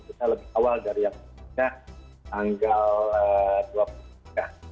kita lebih awal dari yang kita tanggal dua puluh minggu ke